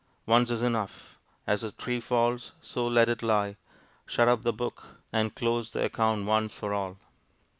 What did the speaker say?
Once is enough. As the tree falls, so let it lie. Shut up the book and close the account once for all!